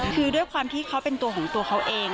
คือด้วยความที่เขาเป็นตัวของตัวเขาเอง